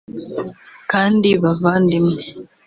kandi bavandimwe